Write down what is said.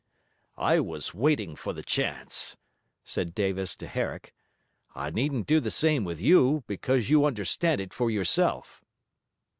'I was waiting for the chance,' said Davis to Herrick. 'I needn't do the same with you, because you understand it for yourself.'